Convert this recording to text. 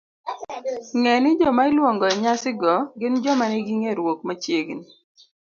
Ng'e ni joma iluongo e nyasi go gin joma nigi ng'eruok machiegni